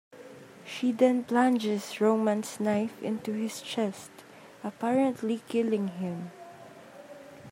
She then plunges Roman's knife into his chest, apparently killing him.